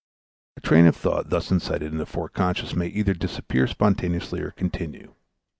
A train of thought thus incited in the Forec. may either disappear spontaneously or continue.